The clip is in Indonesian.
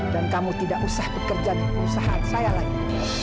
dan kamu tidak usah bekerja di perusahaan saya lagi